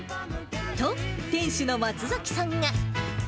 と、店主の松崎さんが。